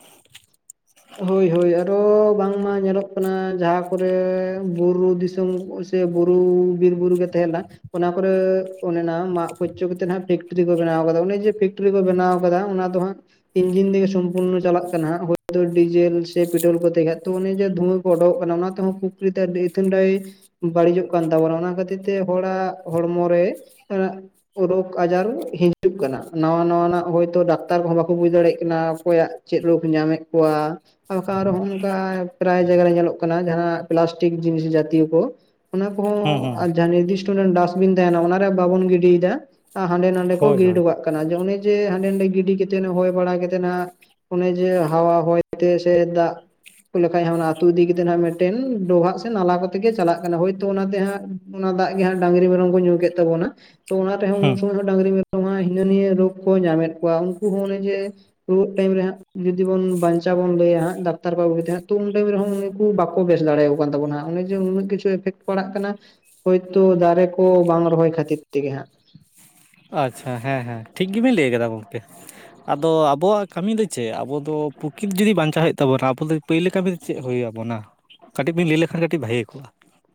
ᱦᱳᱭ ᱦᱳᱭ ᱟᱨᱚ ᱵᱟᱝᱢᱟ ᱧᱮᱞᱚᱜ ᱠᱟᱱᱟ ᱡᱟᱦᱟᱸ ᱠᱚᱨᱮ ᱵᱩᱨᱩ ᱫᱤᱥᱚᱢ ᱥᱮ ᱵᱩᱨᱩ ᱵᱤᱨ ᱵᱩᱨᱩ ᱜᱮ ᱛᱟᱦᱮᱸ ᱞᱮᱱᱟ ᱚᱱᱟ ᱠᱚᱨᱮ ᱚᱱᱮ ᱚᱱᱟ ᱢᱟᱜ ᱯᱷᱚᱪᱚ ᱠᱟᱛᱮᱜ ᱦᱟᱸᱜ ᱯᱷᱮᱠᱴᱨᱤ ᱠᱚ ᱵᱮᱱᱟᱣᱫᱟ ᱚᱱᱮ ᱡᱮ ᱯᱷᱮᱠᱴᱨᱤ ᱠᱚ ᱵᱮᱱᱟᱣ ᱟᱠᱟᱫᱟ ᱚᱱᱟ ᱫᱚ ᱦᱟᱸᱜ ᱤᱱᱡᱤᱱ ᱛᱮᱜᱮ ᱥᱚᱢᱯᱩᱨᱱᱚ ᱪᱟᱞᱟᱜ ᱠᱟᱱᱟ ᱦᱟᱸᱜ᱾ ᱰᱤᱡᱮᱞ ᱥᱮ ᱯᱮᱴᱨᱳᱞ ᱠᱚ ᱛᱟᱦᱮᱸ ᱠᱷᱟᱱᱡ ᱛᱚ ᱚᱱᱮ ᱡᱮ ᱫᱷᱩᱣᱟᱹ ᱠᱚ ᱚᱰᱠᱚᱜ ᱠᱟᱱᱟ ᱚᱱᱟ ᱛᱮᱦᱚᱸ ᱯᱚᱠᱨᱤᱛᱮ [unintelligible] ᱷᱮᱱᱰᱟᱭ ᱵᱟᱹᱲᱤᱡᱚᱜ ᱠᱟᱱ ᱛᱟᱵᱚᱱᱟ ᱚᱱᱟ ᱠᱷᱟᱹᱛᱤᱨ ᱛᱮ ᱦᱚᱲᱟᱜ ᱦᱚᱲᱢᱚ ᱨᱮ᱾ ᱨᱳᱜᱽ ᱟᱡᱟᱨ ᱦᱤᱡᱩᱜ ᱠᱟᱱᱟ ᱱᱟᱶᱟ ᱱᱟᱣᱟᱱᱟᱜ ᱦᱚᱭᱛᱳ ᱰᱟᱠᱛᱟᱨ ᱠᱚᱦᱚᱸ ᱵᱟᱠᱚ ᱵᱩᱡ ᱫᱟᱲᱮᱭᱟᱜ ᱠᱟᱱᱟ ᱚᱠᱚᱭᱟᱜ ᱪᱮᱫ ᱨᱳᱜ ᱧᱟᱢᱮᱫ ᱠᱚᱣᱟ ᱵᱟᱠᱷᱟᱱ ᱟᱨ ᱦᱚᱝᱠᱟᱭ᱾ ᱯᱨᱟᱭ ᱡᱟᱭᱜᱟ ᱨᱮ ᱧᱮᱞᱚᱜ ᱠᱟᱱᱟ ᱡᱟᱦᱟᱸ ᱯᱞᱟᱥᱴᱤᱠ ᱡᱤᱱᱤᱥ ᱡᱟᱛᱤᱭᱚ ᱠᱚ ᱚᱱᱟ ᱠᱚᱦᱚᱸ ᱦᱩᱸ ᱦᱩᱸ ᱟᱨ ᱡᱟᱦᱟᱸ ᱱᱤᱨᱫᱤᱥ ᱰᱟᱥᱵᱤᱱ ᱛᱟᱦᱮᱱᱟ ᱚᱱᱟᱨᱮ ᱵᱟᱵᱚᱱ ᱜᱤᱰᱤᱭᱮᱫᱟ ᱟᱨ ᱦᱟᱸᱰᱮ ᱱᱟᱰᱮ ᱠᱚ ᱦᱳᱭ ᱜᱤᱰᱤ ᱦᱳᱭ ᱚᱰᱩᱟᱜ᱾ ᱮ ᱚᱱᱮ ᱡᱮ ᱦᱟᱸᱰᱮ ᱱᱟᱰᱮ ᱜᱤᱰᱤ ᱠᱟᱛᱮ ᱦᱚᱭ ᱵᱟᱲᱟ ᱠᱟᱛᱮᱜ ᱱᱟᱜ ᱚᱱᱮ ᱡᱮ ᱦᱟᱣᱟ ᱦᱚᱭ ᱛᱮ ᱥᱮ ᱫᱟᱜ ᱞᱮᱠᱷᱟᱡ ᱦ ᱚᱱᱟ ᱟᱹᱛᱩ ᱤᱫᱤ ᱠᱟᱛᱮᱜ ᱱᱟᱸᱜ ᱢᱤᱫᱴᱟᱝ ᱰᱚᱵᱷᱟᱜ ᱥᱮ ᱱᱟᱞᱟ ᱠᱚᱛᱮᱜ ᱜᱮ ᱪᱟᱞᱟᱜ ᱠᱟᱱᱟ ᱦᱳᱭᱛᱳ ᱚᱱᱟᱛᱮ ᱦᱟᱸᱜ᱾ ᱚᱱᱟ ᱫᱟᱜ ᱜᱮ ᱦᱟᱸᱜ ᱰᱟᱝᱨᱤ ᱢᱮᱨᱚᱢ ᱠᱚ ᱧᱩ ᱠᱮᱫ ᱛᱟᱵᱚᱱᱟ ᱛᱚ ᱚᱱᱟ ᱨᱮᱦᱚᱸ ᱩᱱ ᱦᱩᱸ ᱥᱚᱢᱚᱭ᱾ ᱰᱟᱝᱨᱤ ᱢᱮᱨᱚᱢ ᱦᱤᱱᱟᱹ ᱱᱤᱭᱟᱹ ᱨᱳᱜᱽ ᱠᱚ ᱧᱟᱢᱮᱫ ᱠᱚᱣᱟ ᱩᱱᱠᱩ ᱦᱚᱸ ᱚᱱᱮ ᱡᱮ ᱨᱩᱣᱟᱹᱜ ᱴᱟᱭᱤᱢ ᱨᱮ ᱦᱟᱸᱜ᱾ ᱡᱩᱫᱤ ᱵᱚᱱ ᱵᱟᱧᱪᱟᱣ ᱵᱚᱱ ᱞᱟᱭᱟ ᱦᱟᱸᱜ ᱰᱟᱠᱛᱟᱨ ᱠᱚᱵᱩᱤᱟᱸᱜ ᱛᱚ ᱩᱱ ᱴᱟ ᱛᱟᱭᱚᱢ ᱨᱮᱦ ᱦᱚᱸ ᱩᱱᱠᱩ ᱵᱟᱠᱚ ᱵᱮᱥ ᱫᱟᱲᱮᱠᱚ ᱛᱵᱱᱟ ᱦᱟᱸᱜ ᱡᱮ ᱩᱱᱟᱹᱜ ᱠᱤᱪᱷᱩ᱾ ᱤᱯᱷᱮᱠᱴ ᱯᱟᱲᱟᱜ ᱠᱟᱱᱟ ᱦᱳᱭᱛᱳ ᱫᱟᱨᱮ ᱠᱚ ᱵᱟᱝ ᱨᱚᱦᱚᱭ ᱠᱷᱟᱹᱛᱤᱨ ᱛᱮᱜᱮ ᱦᱟᱸᱜ ᱾ ᱟᱪᱪᱷᱟ ᱦᱮᱸ ᱦᱮᱸ ᱴᱷᱤᱠ ᱜᱮᱵᱤᱱ ᱞᱟᱹᱭ ᱟᱠᱟᱫᱟ ᱜᱚᱝᱠᱮ᱾ ᱟᱫᱚ ᱟᱵᱚᱣᱟᱜ ᱠᱟᱹᱢᱤ ᱫᱚ ᱪᱮᱫ ᱟᱵᱚ ᱫᱚ ᱯᱨᱚᱠᱤᱛ ᱡᱩᱫᱤ ᱵᱟᱧᱪᱟᱣ ᱦᱩᱭᱩᱜ ᱛᱟᱵᱚᱱᱟ ᱟᱵᱚ ᱫᱚ ᱯᱟᱹᱭᱞᱟᱹ ᱠᱟᱹᱢᱤ ᱪᱮᱫ ᱦᱩᱭ ᱟᱵᱚᱱᱟ? ᱠᱟᱹᱴᱤᱡ ᱵᱮᱱ ᱞᱟᱹᱭ ᱞᱮᱠᱷᱟᱱ ᱠᱟᱹᱴᱤᱡ ᱵᱷᱟᱹᱜᱮ ᱠᱚᱜᱼᱟ᱾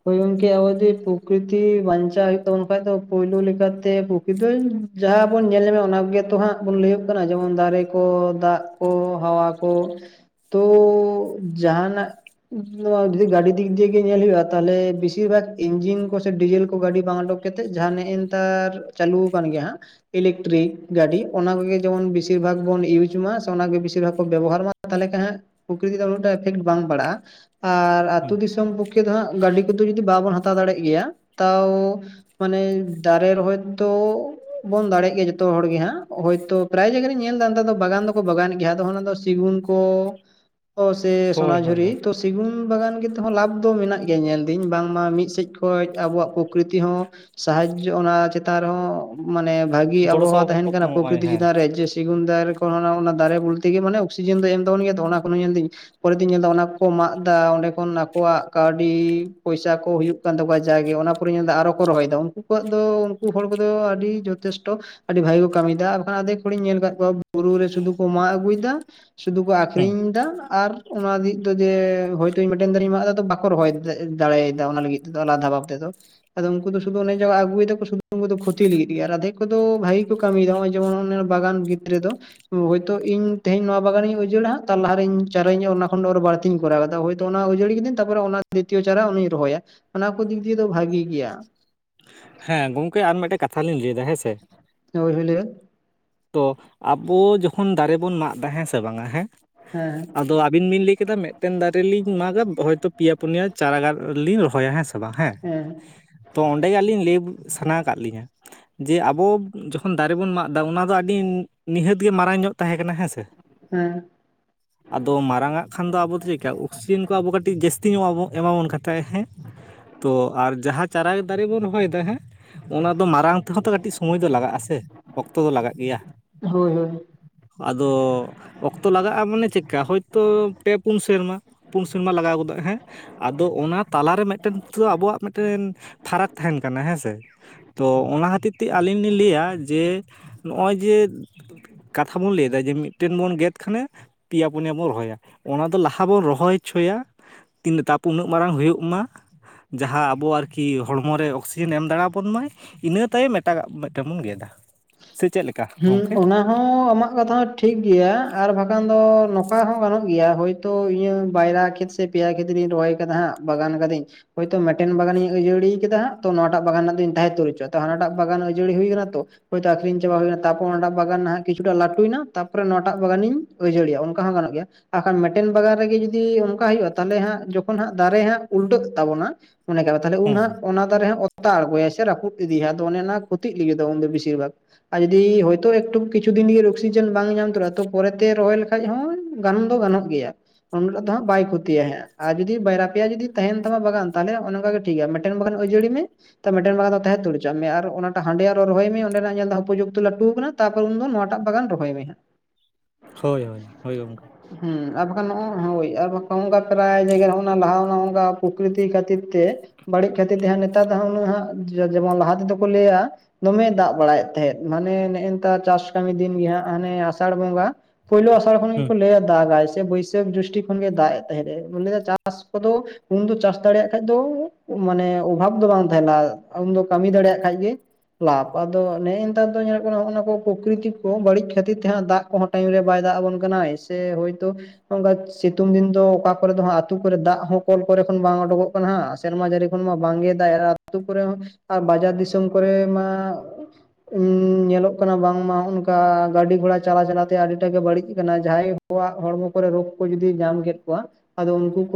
ᱦᱳᱭ ᱜᱚᱝᱠᱮ ᱟᱵᱚ ᱡᱩᱫᱤ ᱯᱨᱚᱠᱨᱤᱛᱤ ᱵᱟᱧᱪᱟᱣ ᱦᱩᱭᱩᱜ ᱛᱟᱵᱚᱱ ᱠᱷᱟᱡ ᱫᱚ ᱯᱳᱭᱞᱳ ᱞᱮᱠᱟᱛᱮ ᱠᱤᱫᱟᱹᱧ ᱡᱟᱦᱟᱸ ᱵᱚᱱ ᱧᱮᱞ ᱧᱟᱢᱟ ᱚᱱᱟ ᱜᱮᱛᱚ ᱦᱟᱸᱜ ᱵᱚᱱ ᱞᱟᱹᱭᱟᱹᱜ ᱠᱟᱱᱟ ᱡᱮᱢᱚᱱ ᱫᱟᱨᱮ ᱠᱚ ᱫᱟᱜ ᱠᱚ ᱦᱟᱣᱟ ᱠᱚ᱾ ᱛᱚ ᱡᱟᱦᱱᱟᱜ ᱱᱚᱣᱟ ᱡᱩᱫᱤ ᱜᱟᱹᱰᱤ ᱫᱤᱠ ᱫᱤᱭᱮ ᱜᱮ ᱧᱮᱞ ᱦᱩᱭᱩᱜᱼᱟ ᱾ ᱛᱟᱦᱚᱞᱮ ᱵᱮᱥᱤᱨ ᱵᱷᱟᱜ ᱤᱧᱡᱤᱱ ᱠᱚ ᱥᱮ ᱰᱤᱡᱮᱞ ᱠᱚ ᱜᱟᱹᱰᱤ ᱵᱟᱝ ᱩᱰᱩᱠ ᱠᱟᱛᱮᱜ ᱡᱟᱦᱟᱸ ᱱᱮᱜᱮ ᱱᱮᱛᱟᱨ ᱪᱟᱹᱞᱩ ᱟᱠᱟᱱ ᱜᱮᱭᱟ ᱦᱟᱸᱜ ᱾ ᱤᱞᱮᱠᱴᱨᱤᱠ ᱜᱟᱹᱰᱤ ᱚᱱᱟ ᱠᱚᱜᱮ ᱡᱮᱢᱚᱱ ᱵᱮᱥᱤᱨ ᱵᱷᱟᱜᱽ ᱵᱚᱱ ᱤᱭᱩᱡ ᱢᱟ ᱥᱮ ᱚᱱᱟ ᱜᱮ ᱵᱮᱥᱤᱨ ᱵᱷᱟᱜᱽ ᱵᱚᱱ ᱵᱮᱵᱚᱦᱟᱨ ᱢᱟ ᱾ ᱛᱟᱦᱚᱞᱮ ᱠᱷᱟᱱ ᱦᱟᱸᱜ ᱯᱨᱚᱠᱨᱤᱛᱤ ᱫᱚ ᱩᱱᱟᱹᱜᱴᱟ ᱤᱯᱷᱮᱠᱴ ᱵᱟᱝ ᱯᱟᱲᱟᱜᱼᱟ ᱟᱨ ᱦᱩᱸ ᱟᱹᱛᱩᱳ ᱫᱤᱥᱚᱢ ᱯᱚᱠᱷᱮ ᱫᱚ ᱦᱟᱸᱜ ᱜᱟᱹᱰᱤ ᱠᱚᱫᱚ ᱡᱩᱫᱤ ᱵᱟᱵᱚᱱ ᱦᱟᱛᱟᱣ ᱫᱟᱲᱮᱭᱟᱜ ᱜᱮᱭᱟ ᱛᱟᱣ᱾ ᱢᱟᱱᱮ ᱫᱟᱨᱮ ᱨᱮᱚᱦᱚᱭᱛᱚ ᱵᱚᱱ ᱫᱟᱲᱮᱜ ᱜᱮᱭᱟ ᱡᱚᱛᱚ ᱦᱚᱲ ᱜᱮ ᱦᱟᱸᱜ ᱦᱚᱳᱭᱛᱚ᱾ ᱯᱨᱟᱭ ᱡᱟᱭᱜᱟ ᱨᱤᱧ ᱧᱮᱞ ᱮᱫᱟ ᱱᱮᱛᱟᱨ ᱫᱚ ᱵᱟᱜᱟᱱ ᱫᱚᱠᱚ ᱵᱟᱜᱟᱱᱮᱫ ᱜᱮᱭᱟ ᱟᱫᱚ ᱚᱱᱟ ᱫᱚ ᱥᱤᱜᱩᱱ ᱠᱚ ᱚ ᱥᱮ ᱦᱳᱭ ᱦᱳᱭ ᱦᱳᱭ ᱥᱚᱱᱟᱡᱷᱩᱨᱤ ᱛᱚ ᱥᱤᱜᱩᱱ ᱵᱟᱜᱟᱱ ᱜᱮᱛᱦᱚᱸ ᱞᱟᱵᱷ ᱫᱚ ᱢᱮᱱᱟᱜ ᱜᱮ ᱧᱮᱞᱫᱟᱹᱧ ᱵᱟᱝᱢᱟ ᱢᱤᱫ ᱥᱮᱫ ᱠᱷᱚᱡ ᱟᱵᱚᱣᱟᱜ ᱯᱨᱚᱠᱨᱤᱛ ᱦᱚᱸ᱾ ᱥᱟᱦᱟᱡᱚ ᱚᱱᱟ ᱪᱮᱛᱟᱱ ᱨᱮᱦᱚᱸ ᱾ ᱢᱟᱱᱮ ᱵᱷᱟᱹᱜᱤ ᱜᱚᱲᱚ ᱟᱵᱚᱦᱟᱣᱟ ᱛᱟᱦᱮᱱ ᱥᱚᱯᱚᱦᱚᱫ ᱠᱟᱱᱟ ᱮᱢᱚᱜᱼᱟᱭ ᱯᱨᱚᱠᱨᱤᱛᱤ ᱦᱮᱸ ᱪᱮᱛᱟᱱ ᱨᱮ ᱡᱮ ᱥᱮᱜᱩᱱ ᱫᱟᱨᱮ ᱚᱱᱟ ᱫᱟᱨᱮ ᱵᱚᱞᱛᱮ ᱜᱮ ᱢᱟᱱᱮ ᱚᱠᱥᱤᱡᱮᱱ ᱫᱚ ᱮᱢ ᱛᱟᱵᱚᱱ ᱜᱮᱭᱟ ᱚᱱᱟ ᱠᱷᱚᱱ ᱧᱮᱞ ᱫᱤᱧ ᱯᱚᱨᱮ ᱛᱮᱧ ᱧᱮᱞ ᱮᱫᱟ ᱚᱱᱟ ᱠᱚ ᱠᱚ ᱢᱟᱜ ᱮᱫᱟ ᱚᱸᱰᱮ ᱠᱷᱚᱱ ᱟᱠᱚᱣᱟᱜ ᱠᱟᱣ ᱰᱤ ᱯᱚᱭᱥᱟ ᱠᱚ ᱦᱩᱭᱩᱜ ᱠᱟᱱ ᱛᱟᱠᱚᱣᱟ ᱡᱟᱜᱮ ᱚᱱᱟ ᱯᱚᱨᱮ ᱧᱮᱞᱫᱟ ᱟᱨᱚ ᱠᱚ ᱨᱚᱦᱚᱭᱮᱫᱟ ᱩᱱᱠᱩ ᱠᱚᱣᱟᱜ ᱫᱚ ᱩᱱᱠᱩ ᱦᱚᱲ ᱠᱚᱫᱚ ᱟᱹᱰᱤ ᱡᱚᱛᱷᱮᱥᱴᱚ᱾ ᱟᱹᱰᱤ ᱵᱷᱟᱜᱮ ᱠᱚ ᱠᱟᱹᱢᱤᱭᱮᱫᱟ ᱵᱟᱠᱷᱟᱱ ᱟᱫᱷᱮᱠ ᱦᱚᱲᱤᱧ ᱧᱮᱞ ᱟᱠᱟᱫ ᱠᱚᱣᱟ ᱵᱩᱨᱩ ᱨᱮ ᱥᱩᱫᱷᱩ ᱠᱚ ᱢᱟᱜ ᱟᱹᱜᱩᱭᱮᱫᱟ ᱾ ᱥᱩᱫᱩ ᱠᱚ ᱦᱮᱸ ᱟᱠᱷᱨᱤᱧ ᱮᱫᱟ ᱟᱨ ᱚᱱᱟ ᱫᱤᱠ ᱫᱚ ᱡᱮ ᱦᱚᱭᱛ ᱢᱮᱴᱮᱱ ᱫᱟᱨᱮᱧ ᱢᱟᱜᱫᱟ ᱵᱟᱠ ᱨᱚᱦᱚᱭ ᱫᱟᱲᱮᱭᱫᱟ ᱚᱱᱟ ᱞᱟᱹᱜᱤᱫ ᱛᱮᱫᱚ ᱟᱞᱟᱫᱟ ᱵᱷᱟᱵ ᱛᱮᱫᱚ ᱾ ᱟᱫᱚ ᱩᱱᱠᱩ ᱫᱚ ᱥᱩᱫᱩ ᱚᱱᱮ ᱡᱮ ᱟᱜᱩᱭᱮᱫᱟᱠᱩ ᱥᱩᱫᱷᱩ ᱩᱱᱠᱩ ᱫᱚ ᱠᱷᱚᱛᱤ ᱞᱟᱜᱤᱛ ᱜᱮ ᱟᱨ ᱟᱫᱷᱮᱠ ᱠᱚᱫᱚ ᱵᱷᱟᱜᱤ ᱠᱚ ᱠᱟᱹᱢᱤᱭᱮᱫᱟ ᱱᱚᱜᱚᱭ ᱡᱮᱢᱚᱱ ᱵᱟᱜᱟᱱ ᱵᱷᱤᱛ ᱨᱮ ᱫᱚ᱾ ᱦᱳᱭᱛᱳ ᱤᱧ ᱛᱮᱦᱮᱧ ᱱᱚᱣᱟ ᱵᱟᱜᱟᱱᱤᱧ ᱩᱡᱟᱹᱲᱟᱜᱼᱟ ᱛᱟᱨ ᱞᱟᱦᱟᱨᱮᱧ ᱪᱟᱨᱟ ᱤᱧ ᱚᱱᱟ ᱠᱷᱚᱱ ᱟᱨ ᱵᱟᱹᱲᱛᱤᱧ ᱠᱚᱨᱟᱣ ᱠᱟᱫᱟ ᱦᱳᱭ᱾ ᱛᱚ ᱚᱱᱟ ᱩᱡᱟᱹᱲᱤ ᱠᱤᱫᱟᱹᱧ ᱛᱟᱨᱯᱚᱨᱮ ᱚᱱᱟ ᱫᱤᱛᱤᱭᱚ ᱪᱟᱨᱟ ᱩᱱᱤ ᱤᱧ ᱨᱚᱦᱚᱭᱟ ᱚᱱᱟ ᱠᱚ ᱫᱤᱠ ᱫᱤᱭᱮ ᱫᱚ ᱵᱷᱟᱜᱤ ᱜᱮᱭᱟ ᱾ ᱦᱮᱸ ᱜᱚᱝᱠᱮ ᱟᱨ ᱢᱤᱫᱴᱮᱱ ᱠᱟᱛᱷᱟ ᱞᱤᱧ ᱞᱟᱹᱭ ᱮᱫᱟ ᱦᱮᱸ ᱥᱮ᱾ ᱦᱳᱭ ᱦᱳᱭ ᱞᱟᱹᱭᱵᱮᱱ᱾ ᱛᱚ ᱟᱵᱚ ᱡᱚᱠᱷᱚᱱ ᱫᱟᱨᱮ ᱵᱚᱱ ᱢᱟᱜ ᱮᱫᱟ ᱦᱮᱸ ᱥᱮ ᱵᱟᱝᱟ ᱦᱮᱸ᱾ ᱦᱮᱸ᱾ ᱟᱫᱚ ᱟᱹᱵᱤᱱ ᱵᱤᱱ ᱞᱟᱹᱭ ᱠᱮᱫᱟ ᱢᱤᱫᱴᱮᱱ ᱫᱟᱨᱮ ᱞᱤᱧ ᱢᱟᱜᱟ ᱦᱚᱭᱛᱚ ᱯᱮᱭᱟ ᱯᱩᱱᱭᱟ ᱪᱟᱨᱟ ᱜᱟᱪᱷ ᱞᱤᱧ ᱨᱚᱦᱚᱭᱟ ᱦᱮᱸ ᱥᱮ ᱵᱟᱝ ᱦᱮᱸ᱾ ᱦᱮᱸ᱾ ᱛᱚ ᱚᱸᱰᱮ ᱜᱮ ᱟᱹᱞᱤᱧ ᱞᱟᱹᱭ ᱥᱟᱱᱟ ᱟᱠᱟᱫ ᱞᱤᱧᱟᱹ᱾ ᱡᱮ ᱟᱵᱚ ᱡᱚᱠᱷᱚᱱ ᱫᱟᱨᱮ ᱵᱚᱱ ᱢᱟᱜ ᱮᱫᱟ ᱚᱱᱟ ᱫᱚ ᱟᱹᱰᱤ ᱱᱤᱦᱟᱹᱛ ᱜᱮ ᱢᱟᱨᱟᱝ ᱧᱚᱜ ᱛᱟᱦᱮᱸ ᱠᱟᱱᱟ ᱦᱮᱸ ᱥᱮ᱾ ᱦᱮᱸ᱾ ᱟᱫᱚ ᱢᱟᱨᱟᱝ ᱟᱜ ᱠᱷᱟᱱ ᱫᱚ ᱟᱵᱚ ᱫᱚ ᱪᱤᱜᱠᱟ ᱚᱠᱥᱤᱡᱮᱱ ᱠᱚ ᱟᱵᱚ ᱠᱟᱹᱴᱤᱡ ᱡᱟᱹᱥᱛᱤ ᱧᱚᱜ ᱮᱢᱟ ᱵᱚ ᱮᱢᱟᱵᱚᱱ ᱠᱟᱱ ᱛᱟᱦᱮᱱᱟ ᱦᱮᱸ᱾ ᱛᱚ ᱟᱨ ᱡᱟᱦᱟᱸ ᱪᱟᱨᱟ ᱫᱟᱨᱮ ᱵᱚᱱ ᱨᱚᱦᱚᱭ ᱮᱫᱟ ᱦᱮᱸ᱾ ᱚᱱᱟ ᱫᱚ ᱢᱟᱨᱟᱝ ᱛᱮᱦᱚᱸ ᱛᱚ ᱠᱟᱹᱴᱤᱡ ᱥᱚᱢᱚᱭ ᱫᱚ ᱞᱟᱜᱟᱜ ᱟᱥᱮ ᱚᱠᱛᱚ ᱫᱚ ᱞᱟᱜᱟᱜ ᱜᱮᱭᱟ᱾ ᱦᱳᱭ ᱦᱳᱭ ᱟᱫᱚ᱾ ᱚᱠᱛᱚ ᱞᱟᱜᱟᱜᱼᱟ ᱢᱟᱱᱮ ᱪᱮᱫᱠᱟ ᱦᱳᱭᱛᱳ ᱯᱮ ᱯᱩᱱ ᱥᱮᱨᱢᱟ ᱯᱩᱱ ᱥᱮᱨᱢᱟ ᱞᱟᱜᱟᱣ ᱜᱚᱫᱚᱜ ᱦᱮᱸ᱾ ᱟᱫᱚ ᱚᱱᱟ ᱛᱟᱞᱟᱨᱮ ᱢᱤᱫᱴᱮᱱ ᱟᱵᱚᱣᱟᱜ ᱢᱤᱫᱴᱮᱱ ᱯᱷᱟᱨᱟᱠ ᱛᱟᱦᱮᱱ ᱠᱟᱱᱟ ᱦᱮᱸ ᱥᱮ᱾ ᱛᱚ ᱚᱱᱟ ᱠᱷᱟᱹᱛᱤᱨ ᱛᱮ ᱟᱹᱞᱤᱧ ᱞᱤᱧ ᱞᱟᱹᱭᱟ ᱡᱮ ᱱᱚᱜᱼᱚᱭ ᱡᱮ᱾ ᱠᱟᱛᱷᱟ ᱵᱚᱱ ᱞᱟᱹᱭᱫᱟ ᱡᱮ ᱢᱤᱫᱴᱮᱱ ᱵᱚᱱ ᱜᱮᱫ ᱠᱷᱟᱱᱮ᱾ ᱯᱮᱭᱟ ᱯᱩᱱᱭᱟᱹ ᱵᱚᱱ ᱨᱚᱦᱚᱭᱟ ᱚᱱᱟ ᱫᱚ ᱞᱟᱦᱟ ᱵᱚᱱ ᱨᱚᱦᱚᱭ ᱦᱚᱪᱚᱭᱟ᱾ ᱠᱤᱱᱛᱩ ᱛᱟᱯᱚᱨ ᱩᱱᱟᱹᱜ ᱢᱟᱨᱟᱝ ᱦᱩᱭᱩᱜ ᱢᱟ ᱡᱟᱦᱟᱸ ᱟᱵᱚᱣᱟᱜ ᱟᱨᱠᱤ ᱦᱚᱲᱢᱚ ᱨᱮ ᱚᱠᱥᱤ᱾ ᱫᱤᱱᱮᱢ ᱫᱟᱬᱟ ᱯᱚᱱ ᱢᱟᱭ ᱤᱱᱟᱹ ᱛᱟᱭᱚᱢ ᱮᱴᱟᱜᱟᱜ ᱢᱤᱫᱴᱮᱱ ᱵᱚᱱ ᱜᱮᱫᱟ ᱥᱮ ᱪᱮᱫ ᱞᱮᱠᱟ? ᱦᱮᱸ ᱜᱚᱢᱠᱮ ᱚᱱᱟ ᱦᱚᱸ ᱟᱢᱟᱜ ᱠᱟᱛᱷᱟ ᱦᱚᱸ ᱴᱷᱤᱠ ᱜᱮᱭᱟ ᱟᱨ ᱵᱟᱠᱷᱟᱱ ᱫᱚ ᱱᱚᱝᱠᱟ ᱦᱚᱸ ᱜᱟᱱᱚᱜ ᱜᱮᱭᱟ ᱦᱳᱭ᱾ ᱛᱚ ᱤᱧᱟᱜ ᱵᱟᱭᱨᱟ ᱠᱷᱮᱛ ᱥᱮ ᱯᱮᱭᱟ ᱠᱷᱮᱛᱨᱤᱧ ᱨᱚᱦᱚᱭ ᱟᱠᱟᱫᱟ ᱦᱟᱸᱜ ᱵᱟᱜᱟᱱ ᱠᱟᱫᱟᱹᱧ ᱦᱳᱭᱛᱳ ᱢᱤᱫᱴᱮᱱ ᱵᱟᱜᱟᱱᱤᱧ ᱟᱹᱡᱟᱹᱲᱤ ᱠᱮᱫᱟ ᱛᱚ ᱱᱚᱣᱟᱴᱟᱜ ᱵᱟᱜᱟᱱ ᱨᱮᱱᱟᱜ ᱫᱚᱧ ᱛᱟᱦᱮᱸ ᱩᱛᱟᱹᱨ ᱦᱚᱪᱚᱣᱟᱫᱟ ᱦᱟᱱᱟᱴᱟᱜ ᱵᱟᱜᱟᱱ ᱟᱹᱡᱟᱹᱲᱤ ᱦᱩᱭ ᱟᱠᱟᱱᱟ ᱛᱚ᱾ ᱦᱳᱭᱛᱚ ᱟᱠᱷᱨᱤᱧ ᱪᱟᱵᱟ ᱦᱩᱭᱱᱟ᱾ ᱛᱟᱯᱚᱨ ᱚᱱᱟᱴᱟᱜ ᱵᱟᱜᱟᱱ ᱦᱟᱜ ᱠᱤᱪᱷᱩᱴᱟᱜ ᱞᱟᱹᱴᱩᱭᱱᱟ ᱛᱟᱯᱚᱨ ᱱᱚᱣᱟᱴᱟᱜ ᱵᱟᱜᱟᱱᱤᱧ ᱟᱹᱡᱟᱹᱲᱤᱭᱟ ᱚᱱᱠᱟ ᱦᱚᱸ ᱜᱟᱱᱚᱜ ᱜᱮᱭᱟ᱾ ᱟᱨᱠᱷᱟᱱ ᱢᱤᱫᱴᱮᱱ ᱵᱟᱜᱟᱱ ᱨᱮᱜᱮ ᱡᱩᱫᱤ ᱚᱱᱠᱟ ᱦᱩᱭᱩᱜ-ᱟ ᱛᱟᱦᱚᱞᱮ ᱦᱟᱸᱜ ᱡᱚᱠᱷᱚᱱ ᱦᱟᱸᱜ ᱫᱟᱨᱮ ᱦᱟᱸᱜ ᱩᱞᱴᱟᱹᱜ ᱛᱟᱵᱚᱱᱟ᱾ ᱢᱚᱱᱮ ᱠᱟᱜ ᱛᱟᱦᱚᱞᱮ ᱩᱱ ᱦᱟᱸᱜ ᱦᱮᱸ ᱚᱱᱟ ᱫᱟᱨᱮ ᱦᱟᱜ ᱚᱛᱟ ᱟᱬᱜᱚᱭᱟᱭ ᱥᱮ ᱨᱟᱹᱯᱩ ᱤᱫᱤᱭᱟ ᱟᱫᱚ ᱚᱱᱮ ᱚᱱᱟ ᱠᱷᱚᱛᱤᱜ ᱞᱟᱹᱜᱤᱫᱚᱜ ᱩᱱᱫᱚ ᱵᱤᱥᱤᱨ ᱵᱷᱟᱜ ᱡᱩᱫᱤ ᱦᱚᱭᱛᱳ ᱮᱠᱴᱩ ᱠᱤᱪᱷᱩ ᱫᱤᱱ ᱜᱮ ᱚᱠᱥᱤᱡᱮᱱ ᱵᱟᱝ ᱧᱟᱢ ᱛᱚᱨᱟ ᱛᱚ ᱯᱚᱨᱮᱛᱮ ᱨᱚᱦᱚᱭ ᱞᱮᱠᱷᱟᱡ ᱦᱚᱸ ᱜᱟᱱ ᱫᱚ ᱜᱟᱱᱚᱜ ᱜᱮᱭᱟ᱾ ᱩᱱ ᱦᱤᱞᱳᱜ ᱫᱚ ᱦᱟᱸᱜ ᱵᱟᱭ ᱠᱷᱚᱛᱤᱭᱟᱭ ᱟᱨ ᱡᱩᱫᱤ ᱵᱟᱨᱭᱟ ᱯᱮᱭᱟ ᱡᱩᱫᱤ ᱛᱟᱦᱮᱱ ᱛᱟᱢᱟ ᱵᱟᱜᱟᱱ ᱛᱟᱦᱚᱞᱮ ᱚᱱᱮ ᱚᱱᱠᱟ ᱜᱮ᱾ ᱴᱷᱤᱠ ᱜᱮᱭᱟ ᱢᱤᱫᱴᱮᱱ ᱵᱟᱠᱷᱟᱱ ᱟᱹᱡᱟᱹᱲᱤ ᱢᱮ᱾ ᱛᱚ ᱢᱤᱫᱴᱮᱱ ᱵᱟᱜᱟᱱ ᱫᱚ ᱛᱟᱦᱮᱸ ᱩᱛᱟᱹᱨ ᱦᱚᱪᱚᱝ ᱢᱮ ᱟᱨ ᱚᱱᱟᱴᱟᱜ ᱦᱟᱸᱰᱮ ᱟᱨ ᱨᱚᱦᱚᱭ ᱢᱮ ᱚᱰᱮᱱᱟᱜ ᱧᱮᱞ ᱫᱟ ᱦᱟᱜ ᱩᱯᱚᱡᱳᱠ᱾ ᱞᱟᱹᱴᱩ ᱟᱠᱟᱱᱟ ᱛᱟᱨᱯᱚᱨ ᱩᱱ ᱫᱚ ᱱᱚᱣᱟᱴᱟᱜ ᱵᱟᱜᱟᱱ ᱨᱚᱦᱚᱭ ᱢᱮ᱾ ᱦᱳᱭ ᱦᱳᱭ ᱦᱳᱭ ᱜᱚᱢᱠᱮ᱾ ᱦᱩᱸ ᱟᱨ ᱵᱟᱠᱷᱟᱱ ᱦᱳᱭ ᱟᱨ ᱚᱱᱠᱟ ᱯᱨᱟᱭ ᱡᱟᱭᱜᱟ ᱨᱮ ᱚᱱᱟ ᱞᱟᱦᱟ ᱚᱱᱠᱟ ᱯᱨᱚᱠᱨᱤᱛᱤ ᱠᱷᱟᱹᱛᱤᱨ ᱛᱮ᱾ ᱵᱟᱹᱲᱤᱡ ᱠᱷᱟᱹᱛᱤᱨ ᱛᱮ ᱦᱟᱸᱜ ᱱᱮᱛᱟᱨ ᱫᱚ ᱦᱟᱜ ᱩᱱᱟᱹᱜ ᱦᱟᱜ ᱡᱮᱢᱚᱱ ᱞᱟᱦᱟ ᱛᱮᱫᱚ ᱠᱚ ᱞᱟᱹᱭᱟ ᱫᱚᱢᱮ ᱫᱟᱜ ᱵᱟᱲᱟᱭᱮᱫ ᱛᱟᱦᱮᱸᱫ᱾ ᱢᱟᱱᱮ ᱱᱮᱜ-ᱮ ᱱᱮᱛᱟᱨ ᱪᱟᱥ ᱠᱟᱹᱢᱤ ᱫᱤᱱ ᱜᱮᱦᱟᱸᱜ ᱦᱟᱱᱮ ᱟᱥᱟᱲ ᱵᱚᱸᱜᱟ᱾ ᱯᱳᱭᱞᱳ ᱟᱥᱟᱲ ᱠᱷᱚᱱ ᱦᱮᱸ ᱜᱮᱠᱚ ᱞᱟᱹᱭᱟ ᱫᱟᱜᱟᱭ ᱥᱮ ᱵᱟᱹᱭᱥᱟᱹᱠᱷ ᱫᱨᱤᱥᱴᱤ ᱠᱷᱚᱱ ᱜᱮ ᱫᱟᱜ ᱮ ᱛᱟᱦᱮᱸᱱᱟ ᱞᱟᱹᱭᱟ ᱪᱟᱥ ᱠᱚᱫᱚ᱾ ᱩᱱᱫᱚ ᱪᱟᱥ ᱫᱟᱲᱮᱭᱟᱜ ᱠᱷᱟᱡ ᱫᱚ ᱢᱟᱱᱮ ᱚᱵᱷᱟᱵ ᱫᱚ ᱵᱟᱝ ᱛᱟᱦᱮᱸᱱᱟ ᱩᱱᱫᱚ ᱠᱟᱹᱢᱤ ᱫᱟᱲᱮᱭᱟᱜ ᱠᱷᱟᱡ ᱜᱮ᱾ ᱞᱟᱵᱷ ᱟᱫᱚ ᱱᱮᱜ-ᱮ ᱱᱮᱛᱟᱨ ᱫᱚ ᱧᱮᱞᱚᱜ ᱠᱟᱱᱟ ᱱᱟᱜ-ᱱᱟᱣᱟ ᱠᱚ ᱯᱨᱚᱠᱨᱤᱛ ᱠᱚ ᱵᱟᱹᱲᱤᱡ ᱠᱷᱟᱹᱛᱤᱨ ᱛᱮ ᱦᱟᱸᱜ ᱫᱟᱜ ᱠᱚᱦᱚᱸ ᱴᱟᱭᱤᱢ ᱨᱮ ᱵᱟᱭ ᱫᱟᱜ ᱟᱵᱚᱱ ᱠᱟᱱᱟᱭ ᱥᱮ ᱦᱳᱭᱛᱳ᱾ ᱱᱚᱝᱠᱟ ᱥᱤᱛᱩᱝ ᱫᱤᱱ ᱫᱚ ᱚᱠᱟ ᱠᱚᱨᱮ ᱫᱚ ᱦᱟᱜ ᱟᱛᱳ ᱠᱚᱨᱮ ᱫᱟᱜ ᱦᱚᱸ ᱠᱚᱞ ᱠᱚᱨᱮ ᱠᱷᱚᱱ ᱵᱟᱝ ᱩᱰᱩᱠᱚᱜ᱾ ᱠᱟᱱᱟ ᱦᱮᱸ ᱥᱮᱨᱢᱟ ᱡᱟᱹᱲᱤ ᱠᱷᱚᱱ ᱵᱟᱝ ᱜᱮ ᱫᱟᱜ ᱟᱛᱳ ᱠᱚᱨᱮ ᱦᱚᱸ ᱟᱨ ᱵᱟᱡᱟᱨ ᱫᱤᱥᱚᱢ ᱠᱚᱨᱮ ᱢᱟ᱾ ᱩᱸ ᱧᱮᱞᱚᱜ ᱠᱟᱱᱟ ᱵᱟᱝᱢᱟ ᱱᱚᱝᱠᱟ ᱜᱟᱹᱰᱤ ᱜᱷᱚᱲᱟ ᱪᱟᱞᱟᱣ ᱪᱟᱞᱟᱛᱮ ᱟᱹᱰᱤᱴᱟᱜ ᱜᱮ ᱵᱟᱹᱲᱤᱡ ᱠᱟᱱᱟ ᱡᱟᱦᱟᱸᱭ᱾ ᱠᱟᱣᱟᱜ ᱦᱚᱲᱢᱚ ᱠᱚᱨᱮ ᱨᱳᱜᱽ ᱠᱚ ᱡᱩᱫᱤ ᱧᱟᱢ ᱠᱮᱫ ᱠᱚᱣᱟ ᱟᱫᱚ ᱩᱱᱠᱩ ᱠᱚ᱾